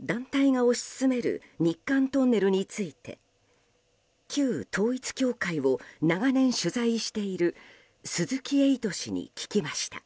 団体が推し進める日韓トンネルについて旧統一教会を長年取材している鈴木エイト氏に聞きました。